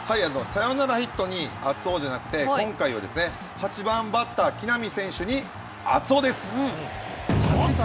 サヨナラヒットに熱男じゃなくて、今回は、８番バッター木浪選手に熱男です！